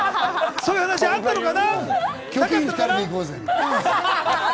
そういう話があったのかな？